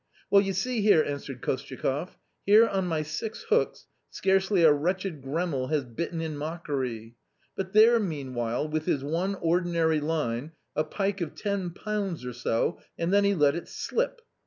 " Well, you see here," answered Kostyakoff, " here on my six hooks scarcely a wretched gremille has bitten in mockery ; but there meanwhile with his one ordinary line, a pike of ten pounds or so, and then he let it slip.